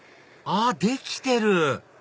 あっできてる！